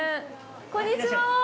こんにちは。